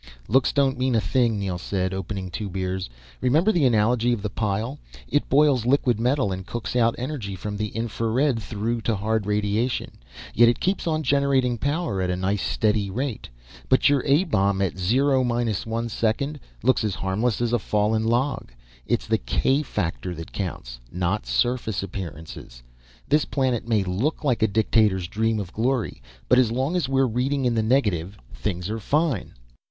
"Looks don't mean a thing," Neel said, opening two beers. "Remember the analogy of the pile. It boils liquid metal and cooks out energy from the infrared right through to hard radiation. Yet it keeps on generating power at a nice, steady rate. But your A bomb at zero minus one second looks as harmless as a fallen log. It's the k factor that counts, not surface appearance. This planet may look like a dictator's dream of glory, but as long as we're reading in the negative things are fine."